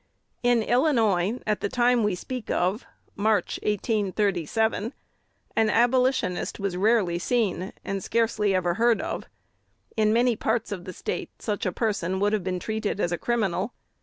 In Illinois, at the time we speak of (March, 1837), an Abolitionist was rarely seen, and scarcely ever heard of. In many parts of the State such a person would have been treated as a criminal.